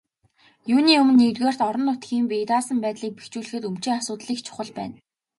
Юуны өмнө, нэгдүгээрт, орон нутгийн бие даасан байдлыг бэхжүүлэхэд өмчийн асуудал их чухал байна.